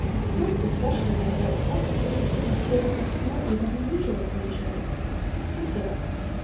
Most especially on bright pleasant days, when He giveth us more even than usual to enjoy! "He giveth."